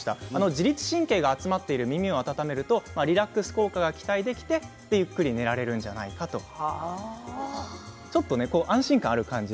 自律神経が集まっている耳を温めるとリラックス効果が期待できて、ゆっくり眠れるんじゃないかなということで安心感がある感じ